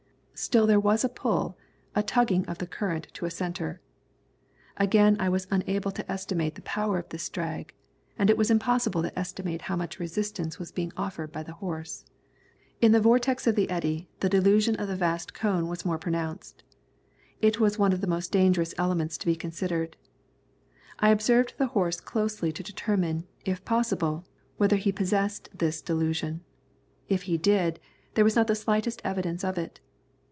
Still there was a pull, a tugging of the current to a centre. Again I was unable to estimate the power of this drag, as it was impossible to estimate how much resistance was being offered by the horse. In the vortex of the eddy the delusion of the vast cone was more pronounced. It was one of the dangerous elements to be considered. I observed the horse closely to determine, if possible, whether he possessed this delusion. If he did, there was not the slightest evidence of it.